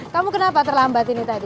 kamu kenapa terlambat ini tadi